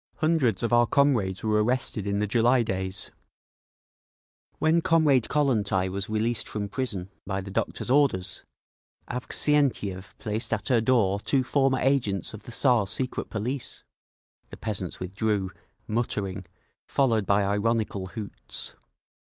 Hundreds of our comrades were arrested in the July days…. When Comrade Kollontai was released from prison by the doctor's orders, Avksentiev placed at her door two former agents of the Tsar's secret police!" The peasants withdrew, muttering, followed by ironical hoots.